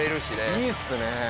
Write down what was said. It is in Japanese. いいっすね。